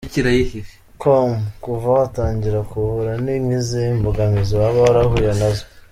com: Kuva watangira kuvura ni nk’izihe mbogamizi waba warahuye nazo?.